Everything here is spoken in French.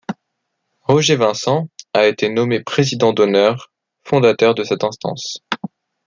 Roger Vincent a été nommé président d'honneur fondateur de cette instance.